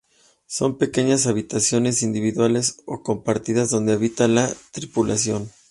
Son pequeñas habitaciones individuales o compartidas donde habita la tripulación.